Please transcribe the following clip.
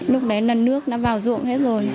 lúc đấy là nước đã vào ruộng hết rồi